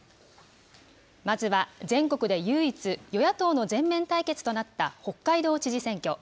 まずは全国で唯一、与野党の全面対決となった北海道知事選挙。